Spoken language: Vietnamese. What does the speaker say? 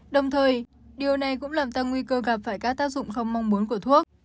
đồng thời điều này cũng làm tăng nguy cơ gặp phải các tác dụng không mong muốn của thuốc